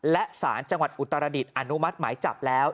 และสารจังหวัดอุตรดิษฐ์อนุมัติหมายจับแล้ว